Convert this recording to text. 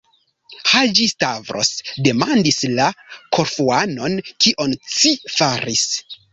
Haĝi-Stavros demandis la Korfuanon: Kion ci faris?